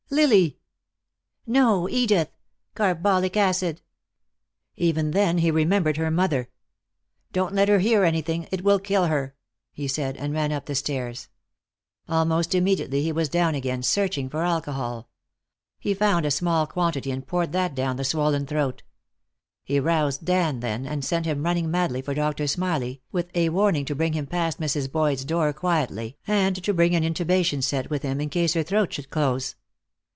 "Lily!" "No, Edith. Carbolic acid." Even then he remembered her mother. "Don't let her hear anything, It will kill her," he said, and ran up the stairs. Almost immediately he was down again, searching for alcohol; he found a small quantity and poured that down the swollen throat. He roused Dan then, and sent him running madly for Doctor Smalley, with a warning to bring him past Mrs. Boyd's door quietly, and to bring an intubation set with him in case her throat should close.